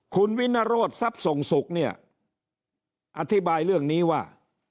คุณวินโรธทรัพย์ส่งสุขเนี่ยอธิบายเรื่องนี้ว่า